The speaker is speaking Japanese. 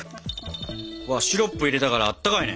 シロップ入れたからあったかいね。